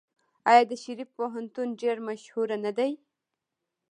آیا د شریف پوهنتون ډیر مشهور نه دی؟